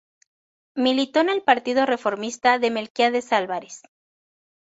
Militó en el Partido Reformista de Melquiades Álvarez.